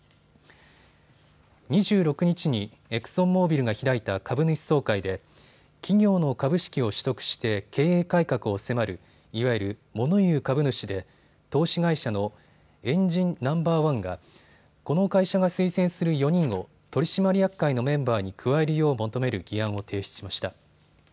２６日にエクソンモービルが開いた株主総会で企業の株式を取得して経営改革を迫るいわゆる物言う株主で投資会社のエンジン・ナンバーワンがこの会社が推薦する４人を取締役会のメンバーに加えるよう求める議案を提出しました。